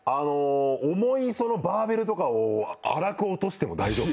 重いバーベルとかを荒く落としても大丈夫？